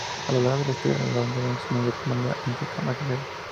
A lo largo de la historia, la bandera nacional de Colombia ha cambiado.